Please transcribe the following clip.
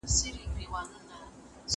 زه اوس لوښي وچوم،